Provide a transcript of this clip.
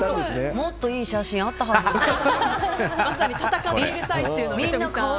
もっといい写真あったはずなのに。